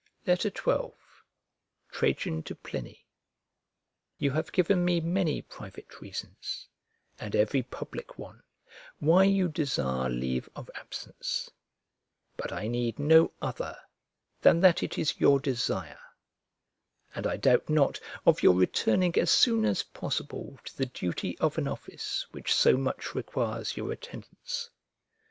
XII TRAJAN TO PLINY You have given me many private reasons, and every public one, why you desire leave of absence; but I need no other than that it is your desire: and I doubt not of your returning as soon as possible to the duty of an office which so much requires your attendance.